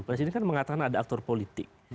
presiden kan mengatakan ada aktor politik